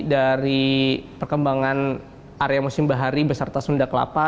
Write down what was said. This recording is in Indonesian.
dari perkembangan area museum bahari beserta sunda kelapa